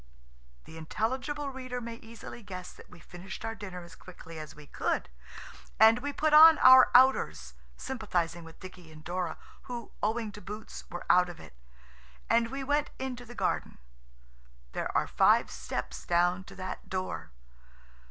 The intelligible reader may easily guess that we finished our dinner as quickly as we could, and we put on our outers, sympathising with Dicky and Dora, who, owing to boots, were out of it, and we went into the garden. There are five steps down to that door.